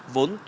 vốn toàn bộ